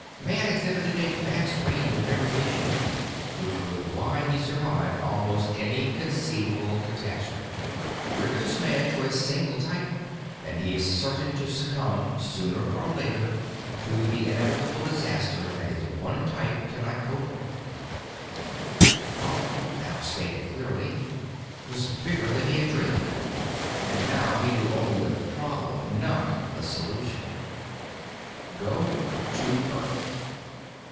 Man exhibited a vast range of variation, which was why he survived almost any conceivable catastrophe. Reduce man to a single type and he is certain to succumb, sooner or later, to the inevitable disaster that his one type cannot cope with. The problem, now stated clearly, was bigger than he had dreamed. And now he knew only the problem—not the solution. Go to Earth.